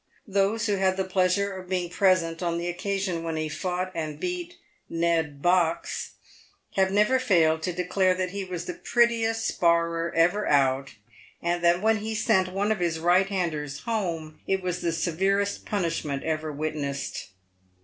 Those who had the pleasure of being present on the occasion when he fought and beat Ned Box, have never failed to declare that he was the prettiest sparrer ever out, and that when he sent one of his right handers " home," it was the severest punishment ever witnessed.